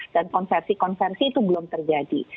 dan konversi konversi itu belum terjadi